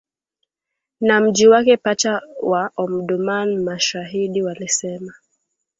na mji wake pacha wa Omdurman, mashahidi walisema